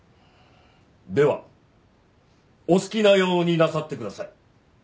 ではお好きなようになさってください。